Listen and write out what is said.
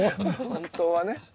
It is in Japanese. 本当はね。